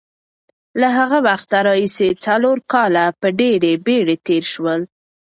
له هغه وخته راهیسې څلور کاله په ډېرې بېړې تېر شول.